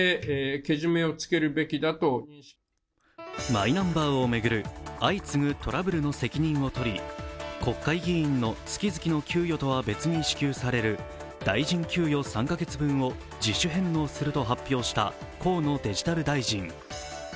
マイナンバーを巡る相次ぐトラブルの責任を取り国会議員の月々の給与とは別に支給される大臣給与３か月分を自主返納すると発表した河野デジタル大臣。